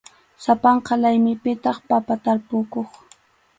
Sapanka laymipitaq papa tarpukuq.